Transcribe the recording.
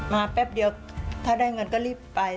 แป๊บเดียวถ้าได้เงินก็รีบไป